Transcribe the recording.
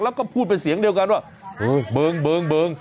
แล้วก็พูดเป็นเสียงเดียวกันว่าเออเบิ้งเบิ้งเบิ้ง